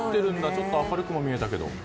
ちょっと明るくも見えたけど。